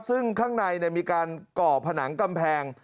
ซึ่งข้างในมีการก่อผนังกำแพง